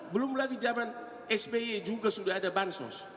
belum lagi zaman sby juga sudah ada bansus